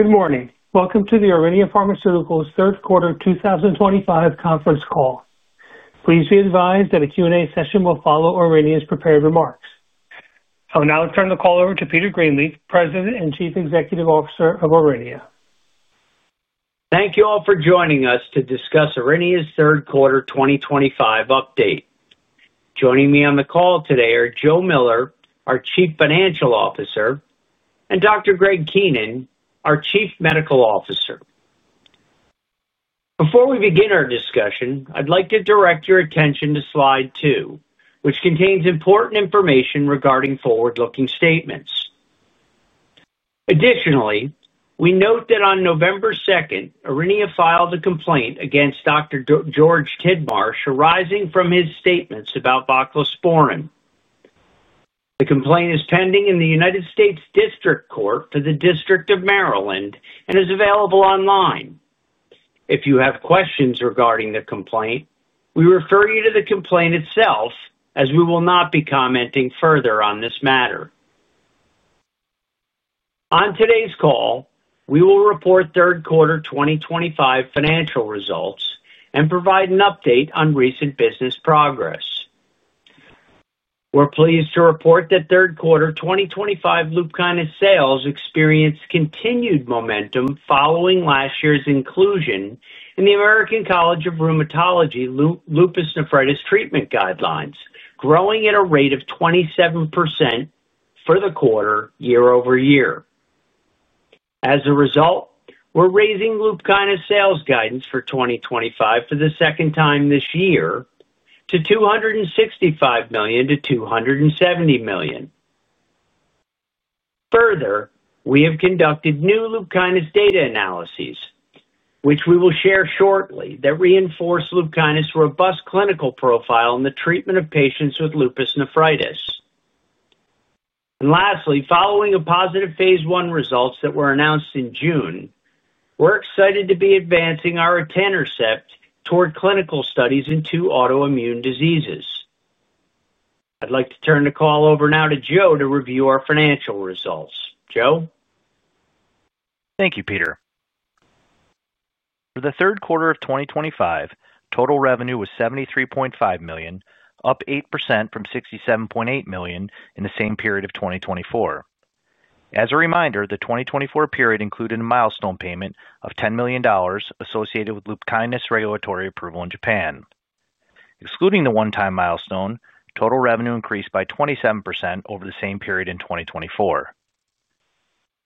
Good morning. Welcome to the Aurinia Pharmaceuticals Third Quarter 2025 Conference Call. Please be advised that a Q&A session will follow Aurinia's prepared remarks. I'll now turn the call over to Peter Greenleaf, President and Chief Executive Officer of Aurinia. Thank you all for joining us to discuss Aurinia's third quarter 2025 update. Joining me on the call today are Joe Miller, our Chief Financial Officer, and Dr. Greg Keenan, our Chief Medical Officer. Before we begin our discussion, I'd like to direct your attention to slide two, which contains important information regarding forward-looking statements. Additionally, we note that on November 2nd, Aurinia filed a complaint against Dr. George Tidmarsh arising from his statements about voclosporin. The complaint is pending in the United States District Court for the District of Maryland and is available online. If you have questions regarding the complaint, we refer you to the complaint itself, as we will not be commenting further on this matter. On today's call, we will report third quarter 2025 financial results and provide an update on recent business progress. We're pleased to report that third quarter 2025 LUPKYNIS sales experienced continued momentum following last year's inclusion in the American College of Rheumatology Lupus Nephritis Treatment Guidelines, growing at a rate of 27% for the quarter year-over-year. As a result, we're raising LUPKYNIS sales guidance for 2025 for the second time this year to $265 million-$270 million. Further, we have conducted new LUPKYNIS data analyses, which we will share shortly, that reinforce LUPKYNIS's robust clinical profile in the treatment of patients with lupus nephritis. Lastly, following the positive phase I results that were announced in June, we're excited to be advancing Aritinercept toward clinical studies in two autoimmune diseases. I'd like to turn the call over now to Joe to review our financial results. Joe? Thank you, Peter. For the third quarter of 2025, total revenue was $73.5 million, up 8% from $67.8 million in the same period of 2024. As a reminder, the 2024 period included a milestone payment of $10 million associated with LUPKYNIS's regulatory approval in Japan. Excluding the one-time milestone, total revenue increased by 27% over the same period in 2024.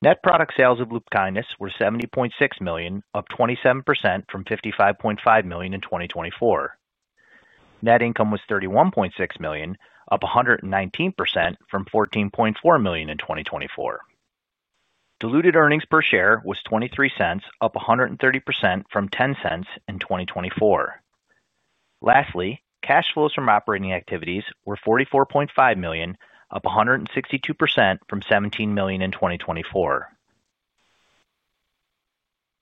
Net product sales of LUPKYNIS were $70.6 million, up 27% from $55.5 million in 2024. Net income was $31.6 million, up 119% from $14.4 million in 2024. Diluted earnings per share was $0.23, up 130% from $0.10 in 2024. Lastly, cash flows from operating activities were $44.5 million, up 162% from $17 million in 2024.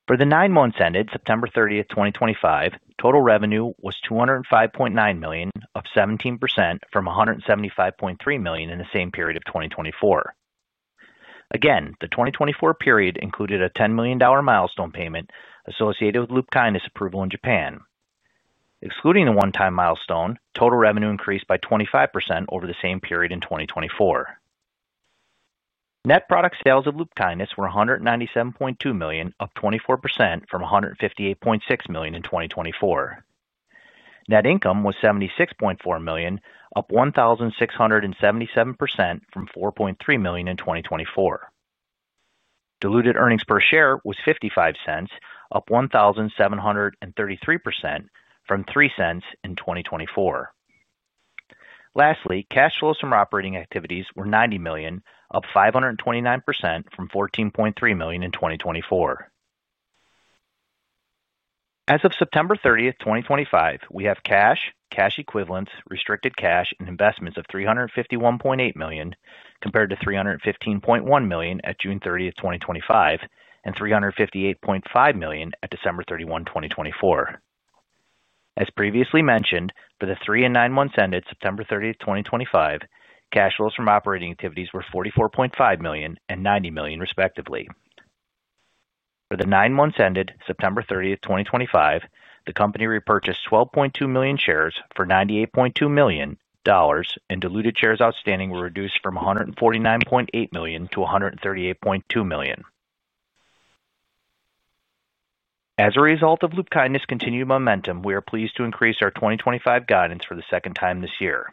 For the nine months ended September 30th, 2025, total revenue was $205.9 million, up 17% from $175.3 million in the same period of 2024. Again, the 2024 period included a $10 million milestone payment associated with LUPKYNIS's approval in Japan. Excluding the one-time milestone, total revenue increased by 25% over the same period in 2024. Net product sales of LUPKYNIS were $197.2 million, up 24% from $158.6 million in 2024. Net income was $76.4 million, up 1,677% from $4.3 million in 2024. Diluted earnings per share was $0.55, up 1,733% from $0.03 in 2024. Lastly, cash flows from operating activities were $90 million, up 529% from $14.3 million in 2024. As of September 30th, 2025, we have cash, cash equivalents, restricted cash, and investments of $351.8 million compared to $315.1 million at June 30th, 2025, and $358.5 million at December 31, 2024. As previously mentioned, for the three and nine months ended September 30th, 2025, cash flows from operating activities were $44.5 million and $90 million, respectively. For the nine months ended September 30th, 2025, the company repurchased $12.2 million shares for $98.2 million, and diluted shares outstanding were reduced from $149.8 million to $138.2 million. As a result of LUPKYNIS's continued momentum, we are pleased to increase our 2025 guidance for the second time this year.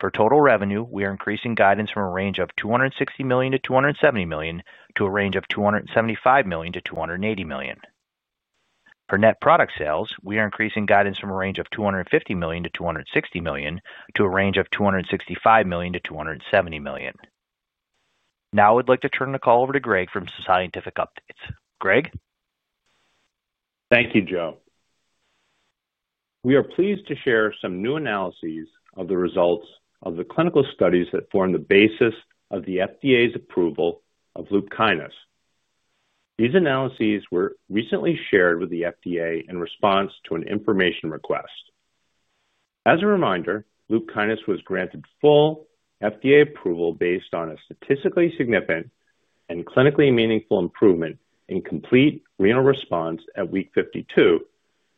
For total revenue, we are increasing guidance from a range of $260 million-$270 million to a range of $275 million-$280 million. For net product sales, we are increasing guidance from a range of $250 million-$260 million to a range of $265 million-$270 million. Now I would like to turn the call over to Greg for Scientific Updates. Greg? Thank you, Joe. We are pleased to share some new analyses of the results of the clinical studies that form the basis of the FDA's approval of LUPKYNIS. These analyses were recently shared with the FDA in response to an information request. As a reminder, LUPKYNIS was granted full FDA approval based on a statistically significant and clinically meaningful improvement in complete renal response at week 52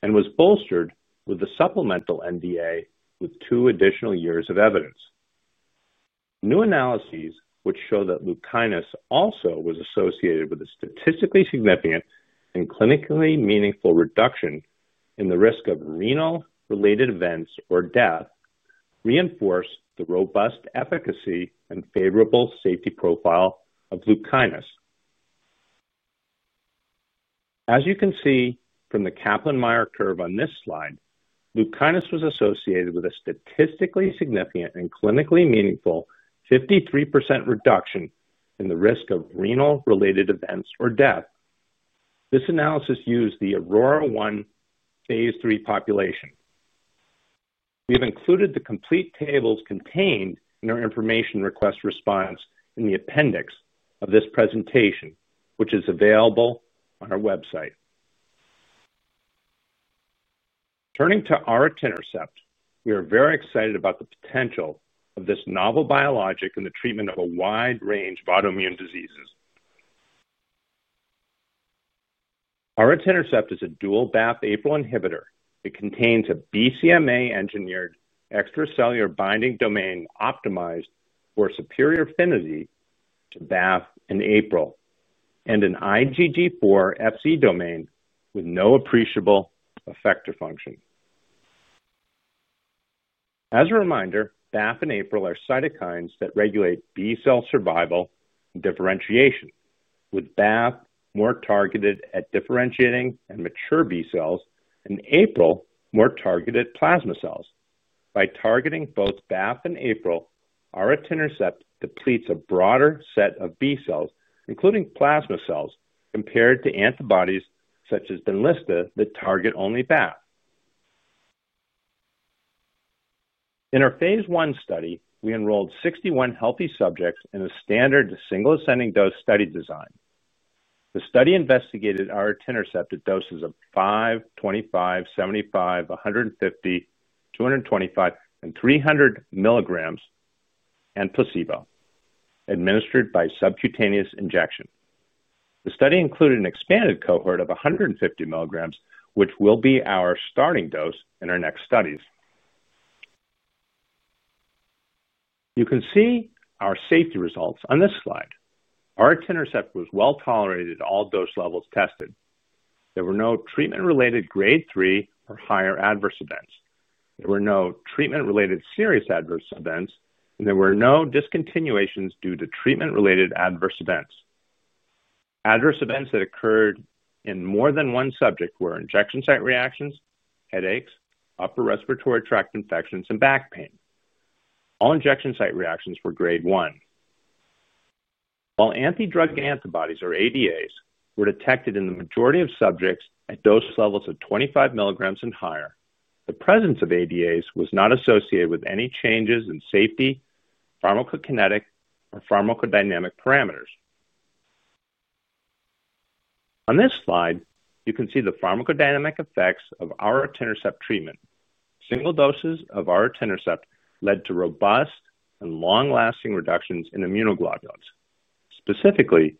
and was bolstered with the supplemental NDA with two additional years of evidence. New analyses which show that LUPKYNIS also was associated with a statistically significant and clinically meaningful reduction in the risk of renal-related events or death reinforce the robust efficacy and favorable safety profile of LUPKYNIS. As you can see from the Kaplan-Meier curve on this slide, LUPKYNIS was associated with a statistically significant and clinically meaningful 53% reduction in the risk of renal-related events or death. This analysis used the AURORA 1 phase III population. We have included the complete tables contained in our information request response in the appendix of this presentation, which is available on our website. Turning to Aritinercept, we are very excited about the potential of this novel biologic in the treatment of a wide range of autoimmune diseases. Aritinercept is a dual BAFF/APRIL inhibitor. It contains a BCMA-engineered extracellular binding domain optimized for superior affinity to BAFF and APRIL and an IgG4 Fc domain with no appreciable effector function. As a reminder, BAFF and APRIL are cytokines that regulate B cell survival and differentiation, with BAFF more targeted at differentiating and mature B cells and APRIL more targeted at plasma cells. By targeting both BAFF and APRIL, Aritinercept depletes a broader set of B cells, including plasma cells, compared to antibodies such as Benlysta that target only BAFF. In our phase I study, we enrolled 61 healthy subjects in a standard single ascending dose study design. The study investigated Aritinercept at doses of five, 25, 75, 150, 225, and 300 milligrams and placebo. Administered by subcutaneous injection. The study included an expanded cohort of 150 milligrams, which will be our starting dose in our next studies. You can see our safety results on this slide. Aritinercept was well tolerated at all dose levels tested. There were no treatment-related grade three or higher adverse events. There were no treatment-related serious adverse events, and there were no discontinuations due to treatment-related adverse events. Adverse events that occurred in more than one subject were injection site reactions, headaches, upper respiratory tract infections, and back pain. All injection site reactions were grade one. While antidrug antibodies, or ADAs, were detected in the majority of subjects at dose levels of 25 milligrams and higher, the presence of ADAs was not associated with any changes in safety, pharmacokinetic, or pharmacodynamic parameters. On this slide, you can see the pharmacodynamic effects of Aritinercept treatment. Single doses of Aritinercept led to robust and long-lasting reductions in immunoglobulins. Specifically,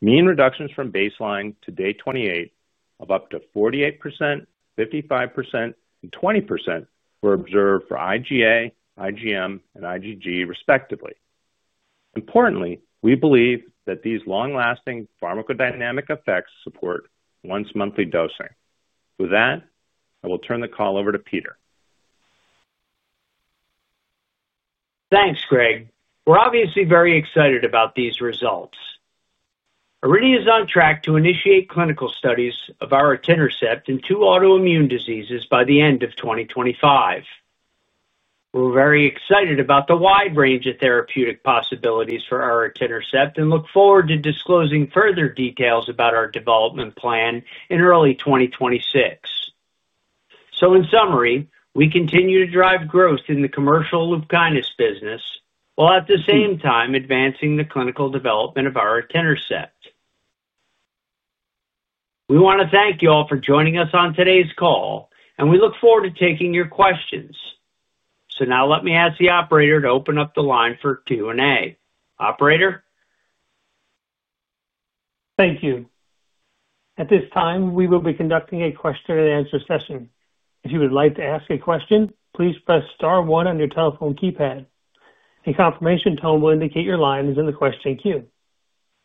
mean reductions from baseline to day 28 of up to 48%, 55%, and 20% were observed for IgA, IgM, and IgG, respectively. Importantly, we believe that these long-lasting pharmacodynamic effects support once-monthly dosing. With that, I will turn the call over to Peter. Thanks, Greg. We're obviously very excited about these results. Aurinia is on track to initiate clinical studies of Aritinercept in two autoimmune diseases by the end of 2025. We're very excited about the wide range of therapeutic possibilities for Aritinercept and look forward to disclosing further details about our development plan in early 2026. In summary, we continue to drive growth in the commercial LUPKYNIS business while at the same time advancing the clinical development of Aritinercept. We want to thank you all for joining us on today's call, and we look forward to taking your questions. Now let me ask the operator to open up the line for Q&A. Operator? Thank you. At this time, we will be conducting a question-and-answer session. If you would like to ask a question, please press star one on your telephone keypad. A confirmation tone will indicate your line is in the question queue.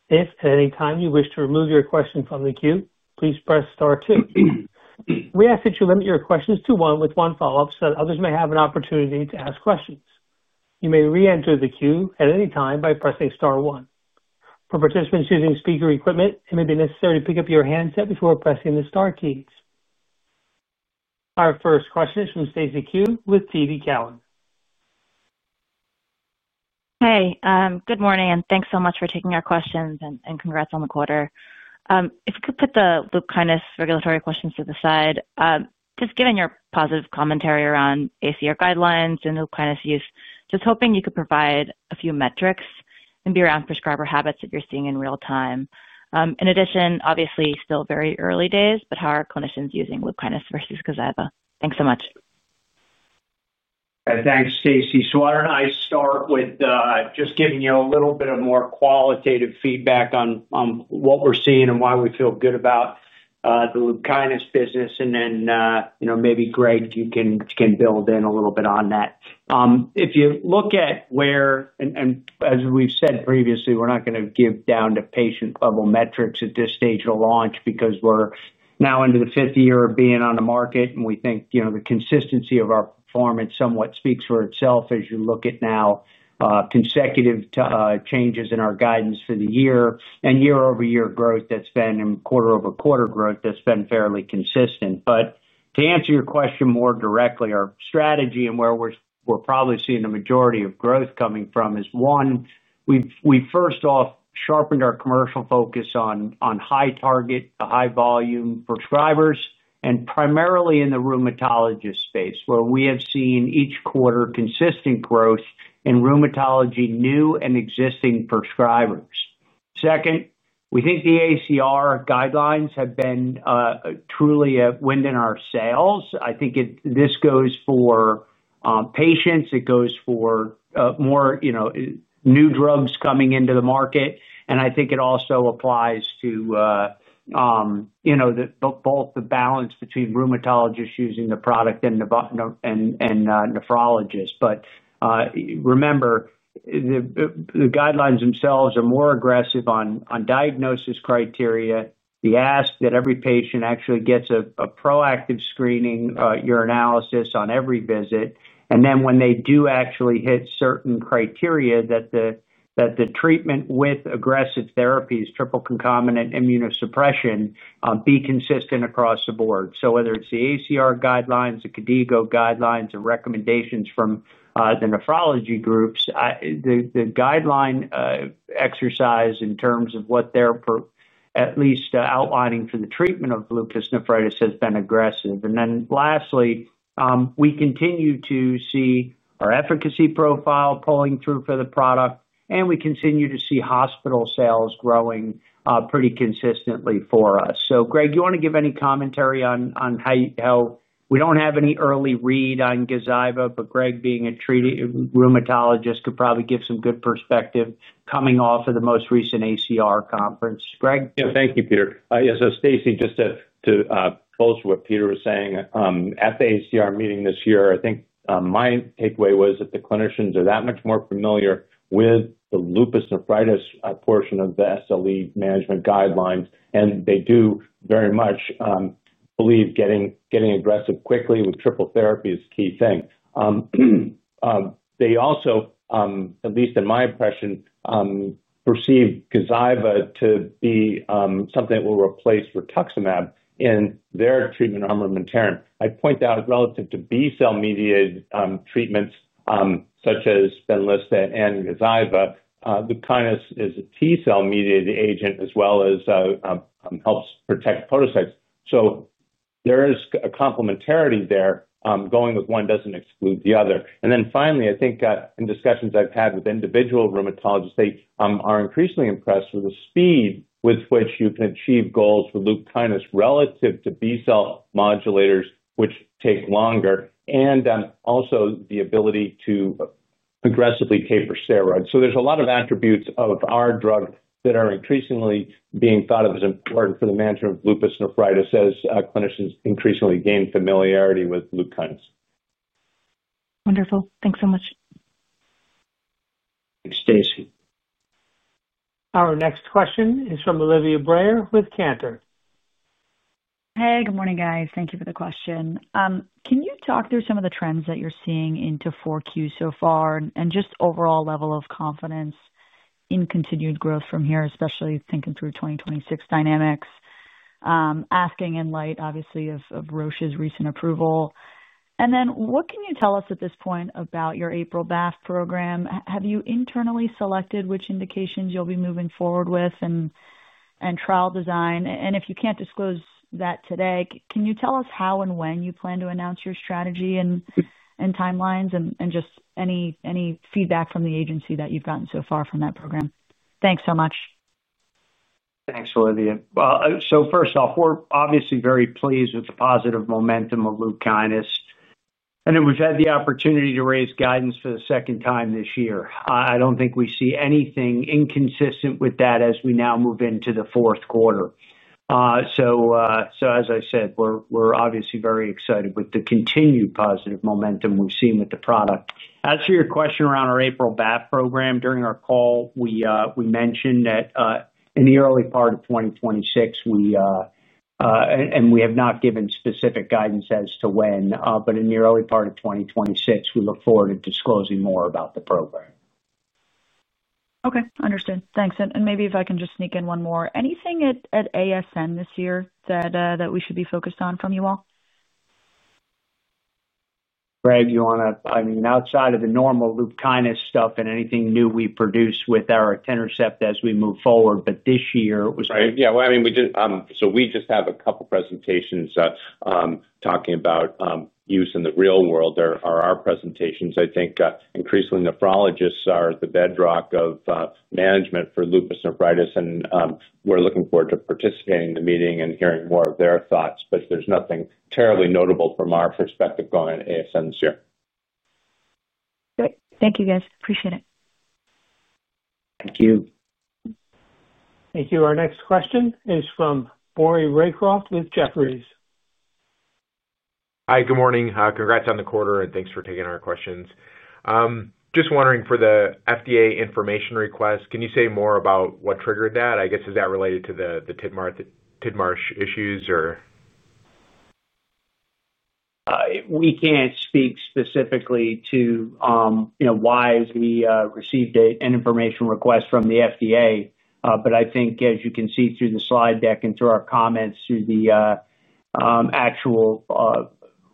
If at any time you wish to remove your question from the queue, please press star two. We ask that you limit your questions to one with one follow-up so that others may have an opportunity to ask questions. You may re-enter the queue at any time by pressing star one. For participants using speaker equipment, it may be necessary to pick up your handset before pressing the star keys. Our first question is from Stacy Ku with TD Cowen. Hey, good morning, and thanks so much for taking our questions and congrats on the quarter. If you could put the LUPKYNIS regulatory questions to the side, just given your positive commentary around ACR guidelines and LUPKYNIS use, just hoping you could provide a few metrics and be around prescriber habits that you're seeing in real time. In addition, obviously, still very early days, but how are clinicians using LUPKYNIS versus GAZYVA? Thanks so much. Thanks, Stacy. Why don't I start with just giving you a little bit of more qualitative feedback on what we're seeing and why we feel good about the LUPKYNIS business, and then maybe Greg, you can build in a little bit on that. If you look at where—and as we've said previously, we're not going to give down to patient-level metrics at this stage of launch because we're now into the fifth year of being on the market, and we think the consistency of our performance somewhat speaks for itself as you look at now consecutive changes in our guidance for the year and year-over-year growth that's been and quarter-over-quarter growth that's been fairly consistent. But to answer your question more directly, our strategy and where we're probably seeing the majority of growth coming from is, one, we first off sharpened our commercial focus on high target, high volume prescribers, and primarily in the rheumatologist space, where we have seen each quarter consistent growth in rheumatology new and existing prescribers. Second, we think the ACR guidelines have been truly a wind in our sails. I think this goes for patients. It goes for more new drugs coming into the market, and I think it also applies to both the balance between rheumatologists using the product and nephrologists. But remember the guidelines themselves are more aggressive on diagnosis criteria. We ask that every patient actually gets a proactive screening urinalysis on every visit, and then when they do actually hit certain criteria, that the treatment with aggressive therapies, triple concomitant immunosuppression, be consistent across the board. Whether it's the ACR guidelines, the KDIGO guidelines, or recommendations from the nephrology groups, the guideline exercise in terms of what they're at least outlining for the treatment of lupus nephritis has been aggressive. And then lastly, we continue to see our efficacy profile pulling through for the product, and we continue to see hospital sales growing pretty consistently for us. Greg, do you want to give any commentary on how we don't have any early read on GAZYVA, but Greg, being a treated rheumatologist, could probably give some good perspective coming off of the most recent ACR conference? Greg? Yeah, thank you, Peter. Yeah, Stacy, just to close to what Peter was saying, at the ACR meeting this year, I think my takeaway was that the clinicians are that much more familiar with the lupus nephritis portion of the SLE management guidelines, and they do very much believe getting aggressive quickly with triple therapy is a key thing. They also, at least in my impression, perceive GAZYVA to be something that will replace rituximab in their treatment armamentarium. I point out relative to B-cell-mediated treatments such as Benlysta and GAZYVA, LUPKYNIS is a T-cell-mediated agent as well as helps protect podocytes. There is a complementarity there. Going with one doesn't exclude the other. Finally, I think in discussions I've had with individual rheumatologists, they are increasingly impressed with the speed with which you can achieve goals for LUPKYNIS relative to B-cell modulators, which take longer, and also the ability to aggressively taper steroids. There are a lot of attributes of our drug that are increasingly being thought of as important for the management of lupus nephritis as clinicians increasingly gain familiarity with LUPKYNIS. Wonderful. Thanks so much. Thanks, Stacy. Our next question is from Olivia Brayer with Cantor. Hey, good morning, guys. Thank you for the question. Can you talk through some of the trends that you're seeing into Q4 so far and just overall level of confidence in continued growth from here, especially thinking through 2026 dynamics? Asking in light, obviously, of Roche's recent approval. And then what can you tell us at this point about your APRIL/BAFF program? Have you internally selected which indications you'll be moving forward with and trial design? And if you can't disclose that today, can you tell us how and when you plan to announce your strategy and timelines and just any feedback from the agency that you've gotten so far from that program? Thanks so much. Thanks, Olivia. So first off, we're obviously very pleased with the positive momentum of LUPKYNIS. And then we've had the opportunity to raise guidance for the second time this year. I don't think we see anything inconsistent with that as we now move into the fourth quarter. So as I said, we're obviously very excited with the continued positive momentum we've seen with the product. As for your question around our APRIL/BAFF program, during our call, we mentioned that in the early part of 2026, we. And we have not given specific guidance as to when, but in the early part of 2026, we look forward to disclosing more about the program. Okay. Understood. Thanks. Maybe if I can just sneak in one more. Anything at ASN this year that we should be focused on from you all? Greg, you want to—I mean, outside of the normal LUPKYNIS stuff and anything new we produce with Aritinercept as we move forward, but this year was. Right. Yeah. I mean, we did—so we just have a couple of presentations talking about use in the real world are our presentations. I think increasingly nephrologists are the bedrock of management for lupus nephritis, and we're looking forward to participating in the meeting and hearing more of their thoughts, but there's nothing terribly notable from our perspective going on at ASN this year. Great. Thank you, guys. Appreciate it. Thank you. Thank you. Our next question is from Maury Raycroft with Jefferies. Hi, good morning. Congrats on the quarter, and thanks for taking our questions. Just wondering for the FDA information request, can you say more about what triggered that? I guess is that related to the Tidmarsh issues, or? We can't speak specifically to why we received an information request from the FDA, but I think, as you can see through the slide deck and through our comments through the actual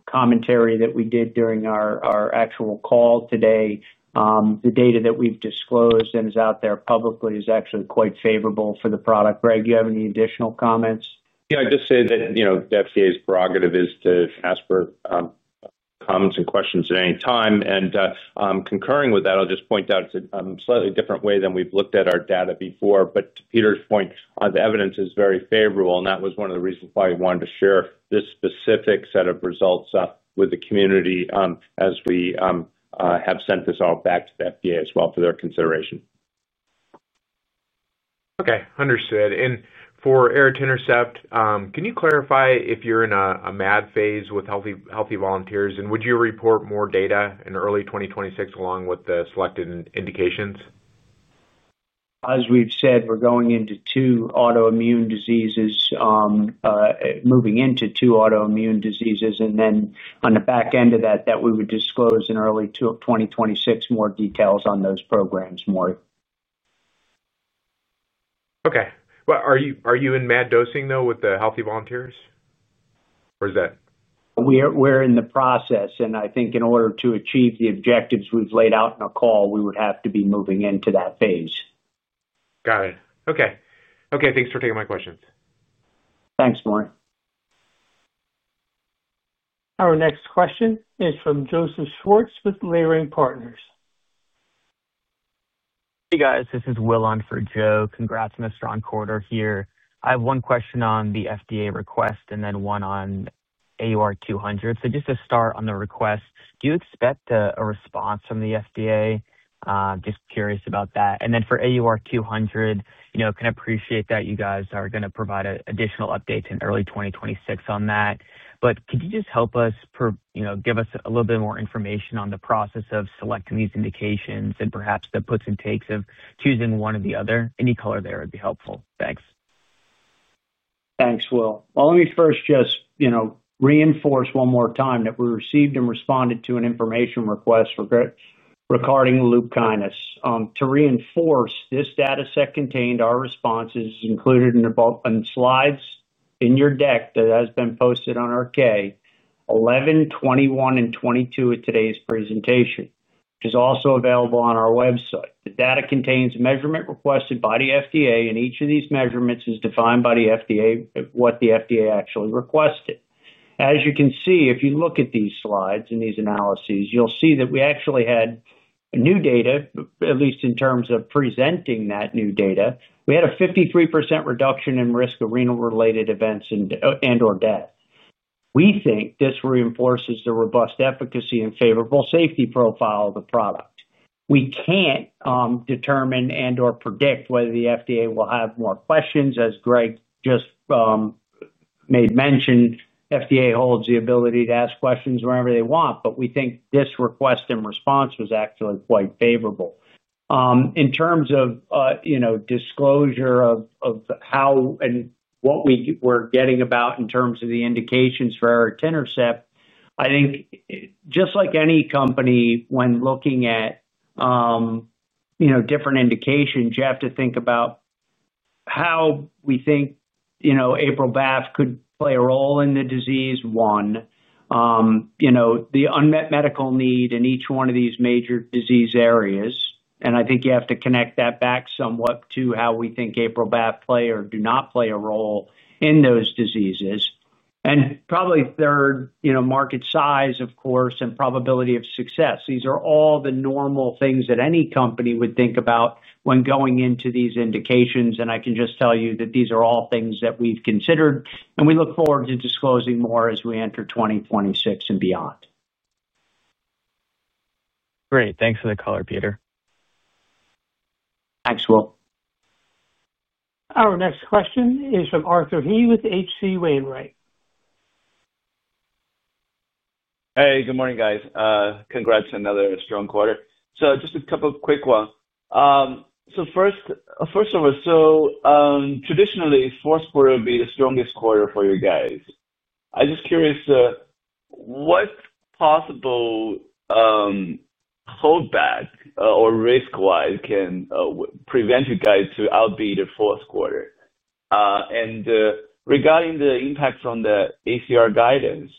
commentary that we did during our actual call today, the data that we've disclosed and is out there publicly is actually quite favorable for the product. Greg, do you have any additional comments? Yeah. I just say that the FDA's prerogative is to ask for comments and questions at any time. Concurring with that, I'll just point out it's a slightly different way than we've looked at our data before, but to Peter's point, the evidence is very favorable, and that was one of the reasons why we wanted to share this specific set of results with the community as we have sent this all back to the FDA as well for their consideration. Okay. Understood. And for Aritinercept, can you clarify if you're in a MAD phase with healthy volunteers, and would you report more data in early 2026 along with the selected indications? As we've said, we're going into two autoimmune diseases. Moving into two autoimmune diseases, and then on the back end of that, we would disclose in early 2026 more details on those programs, Maury. Okay. Are you in MAD dosing, though, with the healthy volunteers? Or is that? We're in the process, and I think in order to achieve the objectives we've laid out in our call, we would have to be moving into that phase. Got it. Okay. Okay. Thanks for taking my questions. Thanks, Maury. Our next question is from Joseph Schwartz with Leerink Partners. Hey, guys. This is Will on for Joe. Congrats on the strong quarter here. I have one question on the FDA request and then one on AUR200. Just to start on the request, do you expect a response from the FDA? Just curious about that. For AUR200, I can appreciate that you guys are going to provide additional updates in early 2026 on that. But could you just help us give us a little bit more information on the process of selecting these indications and perhaps the puts and takes of choosing one or the other? Any color there would be helpful. Thanks. Thanks, Will. Well, let me first just reinforce one more time that we received and responded to an information request regarding LUPKYNIS. To reinforce, this dataset contained our responses included in slides in your deck that has been posted on our K 11, 21, and 22 of today's presentation, which is also available on our website. The data contains measurement requested by the FDA, and each of these measurements is defined by the FDA what the FDA actually requested. As you can see, if you look at these slides and these analyses, you'll see that we actually had new data, at least in terms of presenting that new data. We had a 53% reduction in risk of renal-related events and/or death. We think this reinforces the robust efficacy and favorable safety profile of the product. We can't determine and/or predict whether the FDA will have more questions. As Greg just made mention, the FDA holds the ability to ask questions whenever they want, but we think this request and response was actually quite favorable. In terms of disclosure of how and what we were getting about in terms of the indications for Aritinercept, I think just like any company, when looking at different indications, you have to think about how we think APRIL/BAFF could play a role in the disease, one. The unmet medical need in each one of these major disease areas. And I think you have to connect that back somewhat to how we think APRIL/BAFF play or do not play a role in those diseases. And probably third, market size, of course, and probability of success. These are all the normal things that any company would think about when going into these indications, and I can just tell you that these are all things that we've considered, and we look forward to disclosing more as we enter 2026 and beyond. Great. Thanks for the color, Peter. Thanks, Will. Our next question is from Arthur He with H.C. Wainwright. Hey, good morning, guys. Congrats on another strong quarter. Just a couple of quick ones. First of all, traditionally, fourth quarter would be the strongest quarter for you guys. I'm just curious. What possible holdback or risk-wise can prevent you guys to outbeat the fourth quarter? And regarding the impact from the ACR guidance.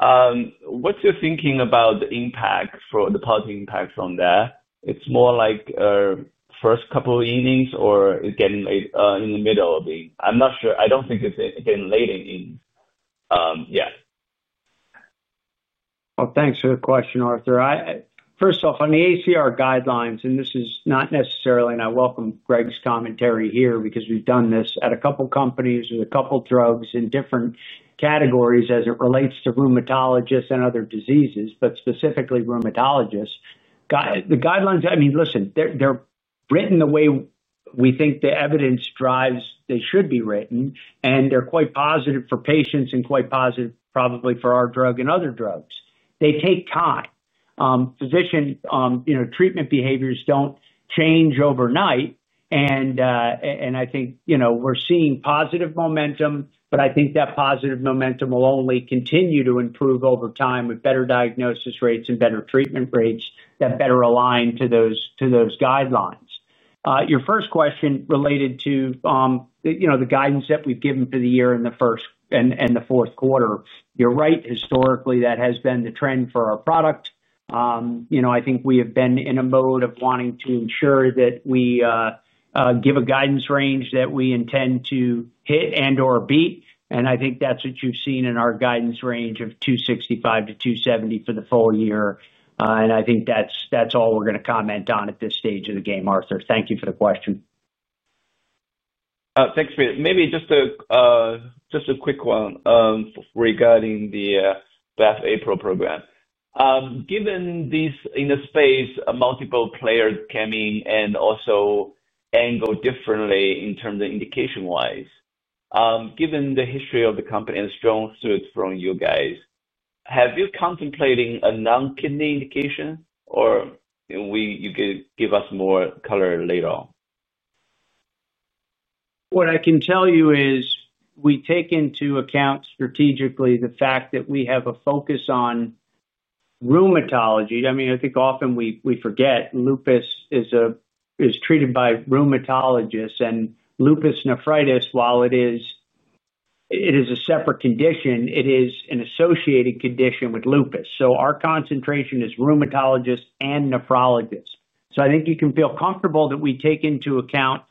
What's your thinking about the impact for the positive impacts on that? It's more like first couple of evenings or it's getting in the middle of the—I'm not sure. I don't think it's getting late in. Yeah. Thanks for the question, Arthur. First off, on the ACR guidelines, and this is not necessarily—and I welcome Greg's commentary here because we've done this at a couple of companies with a couple of drugs in different categories as it relates to rheumatologists and other diseases, but specifically rheumatologists. The guidelines, I mean, listen, they're written the way we think the evidence drives they should be written, and they're quite positive for patients and quite positive probably for our drug and other drugs. They take time. Physician treatment behaviors don't change overnight, and I think we're seeing positive momentum, but I think that positive momentum will only continue to improve over time with better diagnosis rates and better treatment rates that better align to those guidelines. Your first question related to the guidance that we've given for the year in the first and the fourth quarter. You're right, historically, that has been the trend for our product. I think we have been in a mode of wanting to ensure that we give a guidance range that we intend to hit and/or beat, and I think that's what you've seen in our guidance range of $265 million-$270 million for the full year. And I think that's all we're going to comment on at this stage of the game, Arthur. Thank you for the question. Thanks, Peter. Maybe just a quick one regarding the BAFF/APRIL program. Given these, in this space, multiple players coming and also angle differently in terms of indication-wise. Given the history of the company and the strong suits from you guys, have you contemplated a non-kidney indication, or you can give us more color later on? What I can tell you is we take into account strategically the fact that we have a focus on rheumatology. I mean, I think often we forget lupus is treated by rheumatologists, and lupus nephritis, while it is a separate condition, it is an associated condition with lupus. So our concentration is rheumatologists and nephrologists. So I think you can feel comfortable that we take into account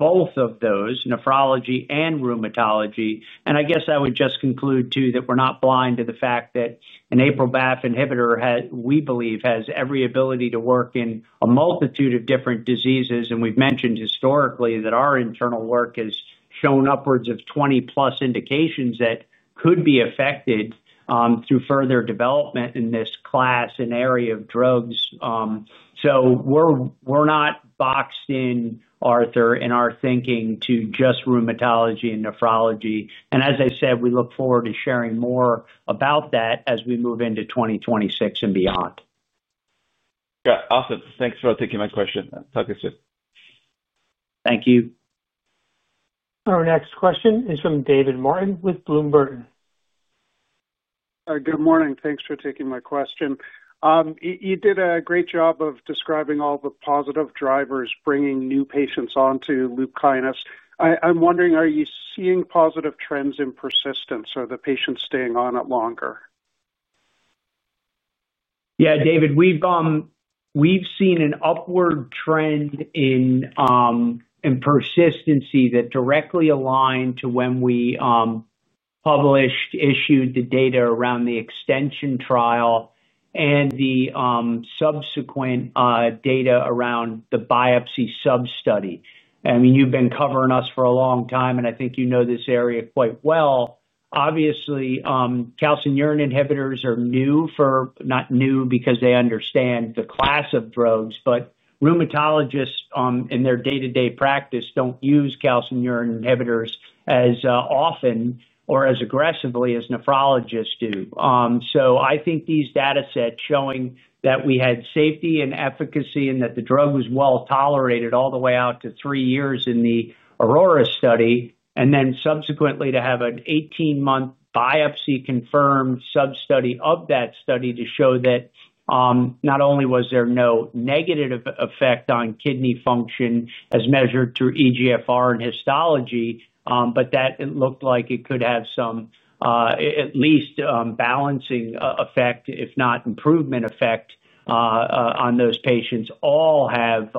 both of those, nephrology and rheumatology. I guess I would just conclude too that we're not blind to the fact that an APRIL/BAFF inhibitor, we believe, has every ability to work in a multitude of different diseases. We've mentioned historically that our internal work has shown upwards of 20-plus indications that could be affected through further development in this class and area of drugs. So we're not boxed in, Arthur, in our thinking to just rheumatology and nephrology. As I said, we look forward to sharing more about that as we move into 2026 and beyond. Got it. Awesome. Thanks for taking my question. Talk to you soon. Thank you. Our next question is from David Martin with Bloomberg. Good morning. Thanks for taking my question. You did a great job of describing all the positive drivers bringing new patients onto LUPKYNIS. I'm wondering, are you seeing positive trends in persistence, or are the patients staying on it longer? Yeah, David. We've seen an upward trend in persistency that directly aligned to when we published, issued the data around the extension trial and the subsequent data around the biopsy sub-study. I mean, you've been covering us for a long time, and I think you know this area quite well. Obviously calcineurin inhibitors are new for—not new because they understand the class of drugs—but rheumatologists in their day-to-day practice don't use calcineurin inhibitors as often or as aggressively as nephrologists do. I think these datasets showing that we had safety and efficacy and that the drug was well tolerated all the way out to three years in the AURORA study, and then subsequently to have an 18-month biopsy-confirmed sub-study of that study to show that not only was there no negative effect on kidney function as measured through eGFR and histology, but that it looked like it could have some at least balancing effect, if not improvement effect, on those patients, all have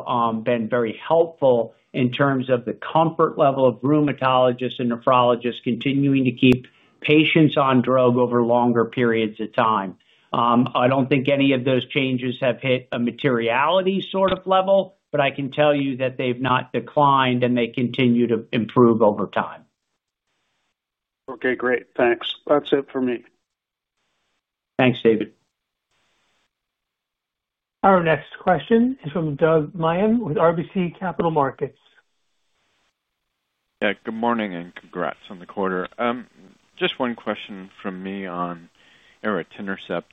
been very helpful in terms of the comfort level of rheumatologists and nephrologists continuing to keep patients on drug over longer periods of time. I don't think any of those changes have hit a materiality sort of level, but I can tell you that they've not declined, and they continue to improve over time. Okay. Great. Thanks. That's it for me. Thanks, David. Our next question is from Doug Miehm with RBC Capital Markets. Yeah. Good morning and congrats on the quarter. Just one question from me on Aritinercept.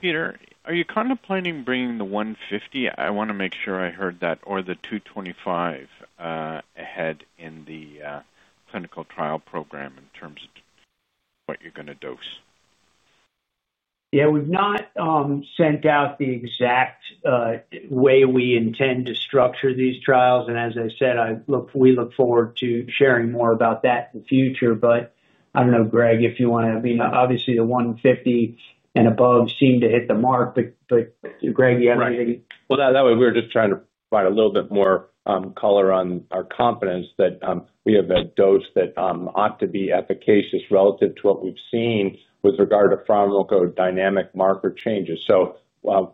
Peter, are you contemplating bringing the 150? I want to make sure I heard that, or the 225. Ahead in the clinical trial program in terms of what you're going to dose? Yeah. We've not sent out the exact way we intend to structure these trials. And as I said, we look forward to sharing more about that in the future. But I don't know, Greg, if you want to—I mean, obviously, the 150 and above seem to hit the mark. But Greg, do you have anything? That way, we're just trying to provide a little bit more color on our confidence that we have a dose that ought to be efficacious relative to what we've seen with regard to pharmacodynamic marker changes. So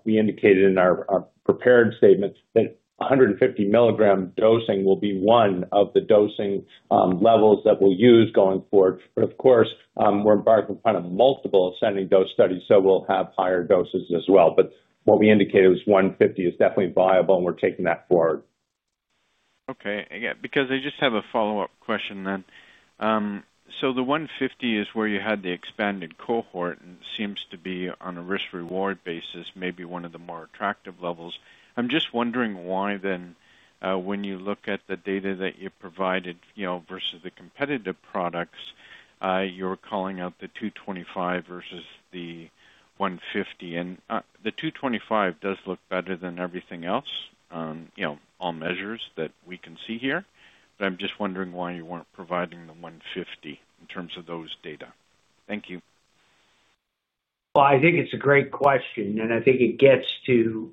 we indicated in our prepared statement that 150 milligram dosing will be one of the dosing levels that we'll use going forward. But of course, we're embarking on kind of multiple ascending dose studies, so we'll have higher doses as well. But what we indicated was 150 is definitely viable, and we're taking that forward. Okay. Yeah. Because I just have a follow-up question then. So the 150 is where you had the expanded cohort and seems to be on a risk-reward basis, maybe one of the more attractive levels. I'm just wondering why then when you look at the data that you provided versus the competitive products, you're calling out the 225 versus the 150. And the 225 does look better than everything else on all measures that we can see here. I'm just wondering why you weren't providing the 150 in terms of those data. Thank you. I think it's a great question, and I think it gets to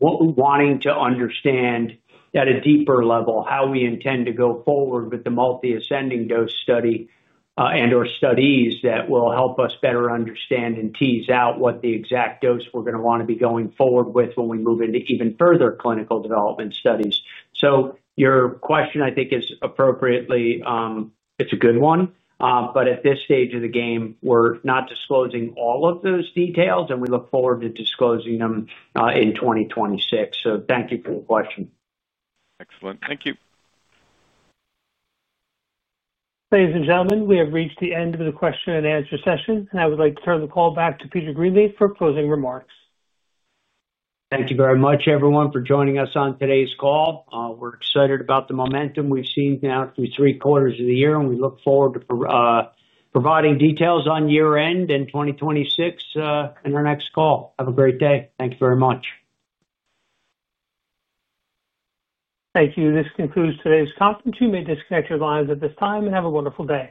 wanting to understand at a deeper level how we intend to go forward with the multi-ascending dose study and/or studies that will help us better understand and tease out what the exact dose we're going to want to be going forward with when we move into even further clinical development studies. So your question, I think, is appropriately a good one. But at this stage of the game, we're not disclosing all of those details, and we look forward to disclosing them in 2026. So thank you for your question. Excellent. Thank you. Ladies and gentlemen, we have reached the end of the question-and-answer session, and I would like to turn the call back to Peter Greenleaf for closing remarks. Thank you very much, everyone, for joining us on today's call. We're excited about the momentum we've seen now through three quarters of the year, and we look forward to providing details on year-end and 2026 in our next call. Have a great day. Thank you very much. Thank you. This concludes today's conference. You may disconnect your lines at this time and have a wonderful day.